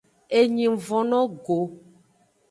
Enyi ng von no go.